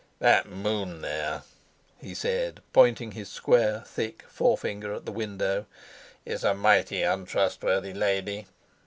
"That moon there," he said, pointing his square, thick forefinger at the window, "is a mighty untrustworthy lady.